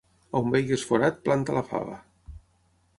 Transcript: On veges forat, planta la fava.